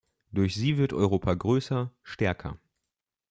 Durch sie wird Europa größer, stärker.